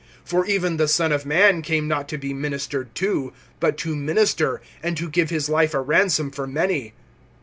(45)For even the Son of man came not to be ministered to, but to minister, and to give his life a ransom for many.